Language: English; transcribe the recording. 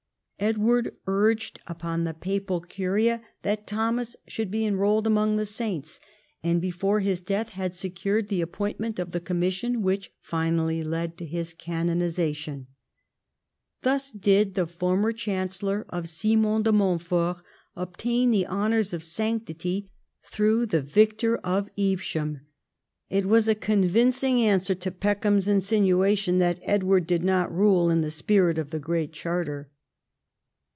Edward urged upon the papal Curia that Thomas should be enrolled among the saints, and before his death had secured the appointment of the commission which finally led to his canonisation. Thus did the former Chancellor of Simon de Montfort obtain the honours of sanctity through the victor of Evesham. It was a convincing answer to Peckham's insinuation that Edward did not rule in the spirit of the Great Charter.